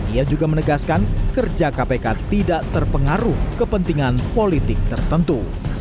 ia juga menegaskan kerja kpk tidak terpengaruh kepentingan politik tertentu